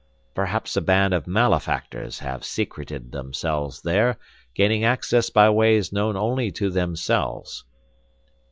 Perhaps a band of malefactors have secreted themselves there, gaining access by ways known only to themselves."